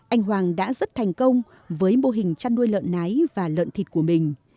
anh hoàng đã rất thành công với mô hình chăn nuôi lợn nái và lợn thịt của mình